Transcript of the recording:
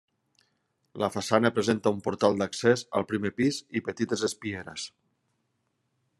La façana presenta un portal d'accés al primer pis i petites espieres.